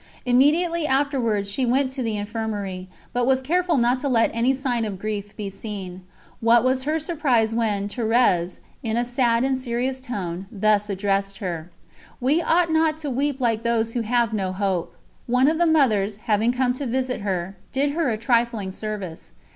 Immediately afterwards she went to the Infirmary, but was careful not to let any sign of grief be seen. What was her surprise when Thérèse, in a sad and serious tone, thus addressed her: "We ought not to weep like those who have no hope." One of the Mothers, having come to visit her, did her a trifling service.